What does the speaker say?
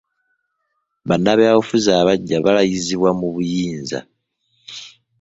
Bannabyabufuzi abaggya balayizibwa mu buyinza.